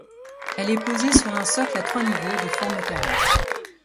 Elle est posée sur un socle à trois niveaux de forme carré.